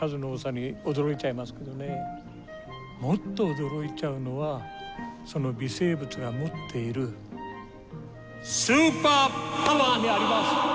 もっと驚いちゃうのはその微生物が持っているスーパーパワーにあります！